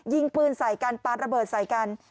ยิงปืนใส่กันปาดระเบิดใส่กัน